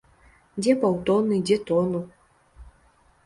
Дзе паўтоны, дзе тону.